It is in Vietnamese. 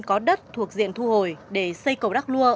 có đất thuộc diện thu hồi để xây cầu đắk lua